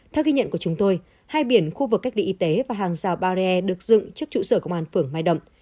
theo ghi nhận của chúng tôi hai biển khu vực cách ly y tế và hàng rào barre được dựng trước trụ sở công an phường mai động